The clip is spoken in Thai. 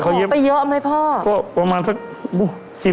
เขาเยอะไปเยอะไหมพ่อก็ประมาณสักสิบ